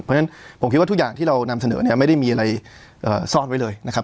เพราะฉะนั้นผมคิดว่าทุกอย่างที่เรานำเสนอเนี่ยไม่ได้มีอะไรซ่อนไว้เลยนะครับ